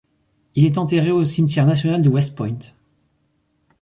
Il est enterré au cimetière national de West Point.